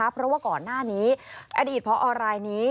เพราะว่าก่อนหน้านี้อดีตเพราะออนไลน์นี้